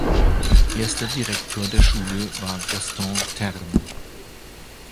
Erster Direktor der Schule war Gaston Ternes.